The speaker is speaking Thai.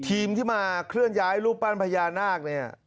ทีมที่มาเคลื่อนย้ายรูปปั้นพญานาคเนี่ย